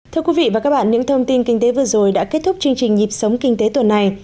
thưa quý vị và các bạn những thông tin kinh tế vừa rồi đã kết thúc chương trình nhịp sống kinh tế tuần này